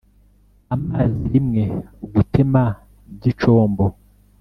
amazi rimwe gutema by icombo,